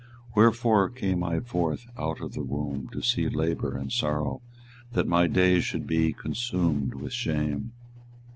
24:020:018 Wherefore came I forth out of the womb to see labour and sorrow, that my days should be consumed with shame?